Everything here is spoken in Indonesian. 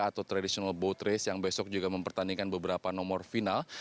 atau traditional boat race yang besok juga mempertandingkan beberapa nomor final